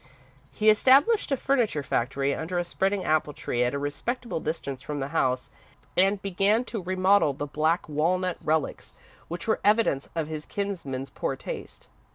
He established a furniture factory under a spreading apple tree at a respectable distance from the house, and began to remodel the black walnut relics which were evidence of his kinsman's poor taste.